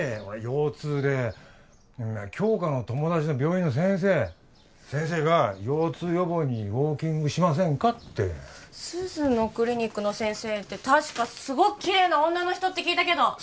腰痛で杏花の友達の病院の先生先生が腰痛予防にウォーキングしませんかって鈴のクリニックの先生って確かすごくキレイな女の人って聞いたけど